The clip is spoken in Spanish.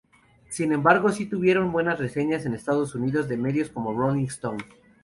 Sin embargo, si tuvieron buenas reseñas en Estados Unidos de medios como "Rolling Stone".